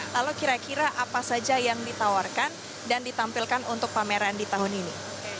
lalu kira kira apa saja yang ditawarkan dan ditampilkan untuk pameran di tahun ini